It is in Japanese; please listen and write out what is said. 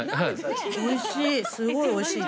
おいしい。